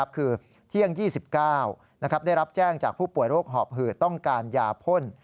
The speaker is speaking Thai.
คือเที่ยง๒๙ได้รับแจ้งจากผู้ป่วยโรคหอบหืดต้องการยาพ่น